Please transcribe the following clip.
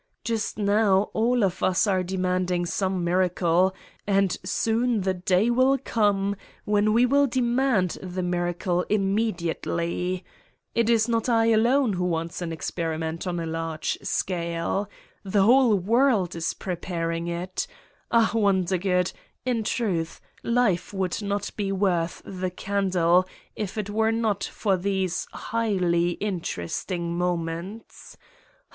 Just now all of us are demanding some miracle and soon the day will come when we will demand the miracle im mediately ! It is not I alone who wants an experi ment on a large scale the whole world is prepar ing it ... ah, Wondergood, in truth, life would not be worth the candle if it were not for these highly interesting moments!